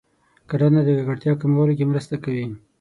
کرنه د ککړتیا کمولو کې مرسته کوي.